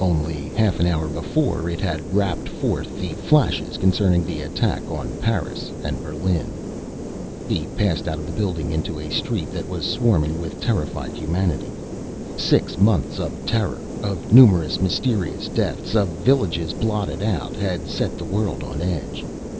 Only half an hour before it had rapped forth the flashes concerning the attack on Paris and Berlin. He passed out of the building into a street that was swarming with terrified humanity. Six months of terror, of numerous mysterious deaths, of villages blotted out, had set the world on edge.